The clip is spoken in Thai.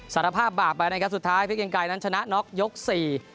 สารภาพบาปไปนะครับสุดท้ายเพชรเกียงไกรนั้นชนะน็อกยกสี่